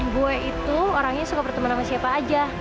gue itu orangnya suka berteman sama siapa aja